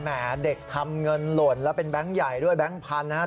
เด็กทำเงินหล่นแล้วเป็นแก๊งใหญ่ด้วยแบงค์พันธุ์นะครับ